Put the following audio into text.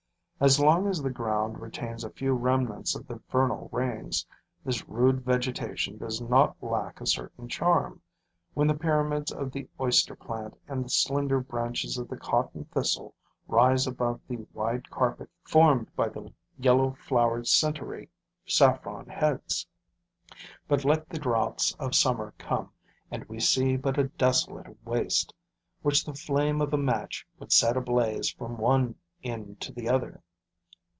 As long as the ground retains a few remnants of the vernal rains, this rude vegetation does not lack a certain charm, when the pyramids of the oyster plant and the slender branches of the cotton thistle rise above the wide carpet formed by the yellow flowered centaury saffron heads; but let the droughts of summer come and we see but a desolate waste, which the flame of a match would set ablaze from one end to the other.